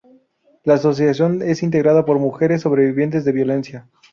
La asociación es integrada por mujeres sobrevivientes de violencia.